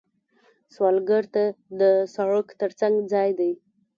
سوالګر ته د سړک تر څنګ ځای دی